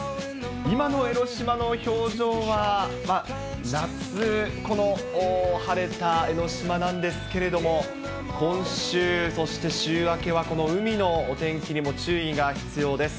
今の江の島の表情は、まあ、夏、この晴れた江の島なんですけれども、今週、そして週明けは、この海のお天気にも注意が必要です。